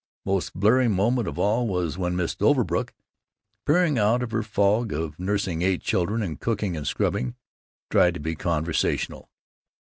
Most bleary moment of all was when Mrs. Overbrook, peering out of her fog of nursing eight children and cooking and scrubbing, tried to be conversational.